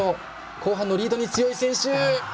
後半のリードに強い選手。